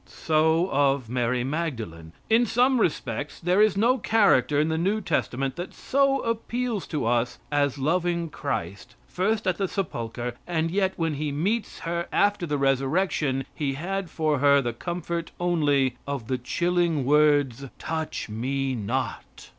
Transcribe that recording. So of Mary Magdalene. In some respects there is no character in the new testament that so appeals to us as loving Christ first at the sepulchre and yet when He meets her after the resurrection He had for her the comfort only of the chilling words, "Touch me not!"